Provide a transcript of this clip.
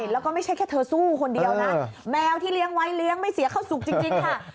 แล้วก็ไม่ใช่แค่เธอสู้คนเดียวนะแมวที่เลี้ยงไว้เลี้ยงไม่เสียเข้าสุขจริงค่ะ